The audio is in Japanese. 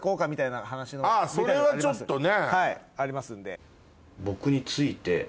それはちょっとね。